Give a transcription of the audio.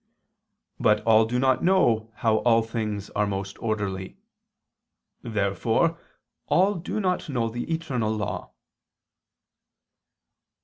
But all do not know how all things are most orderly. Therefore all do not know the eternal law.